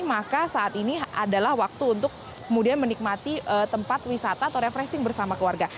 maka saat ini adalah waktu untuk kemudian menikmati tempat wisata atau refreshing bersama keluarga